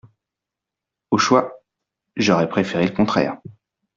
Au choix, j’aurais préféré le contraire.